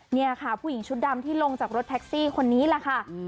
นี่ค่ะผู้หญิงชุดดำที่ลงจากรถแท็กซี่คนนี้แหละค่ะ